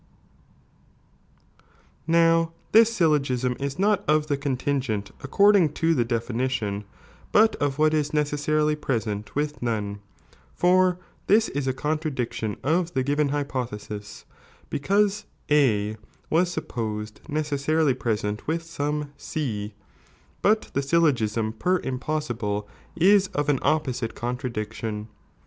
J'' ^sm is not of the contingent according to the definition, but of what is necessarily present with none, for this is a contradiction of the given hypothesis, because A was supposed necessarily present with some C, but the syllogiam per impossihile ia of an opposite ' contradiction.